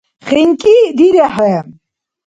ХинкӀи дирехӀе.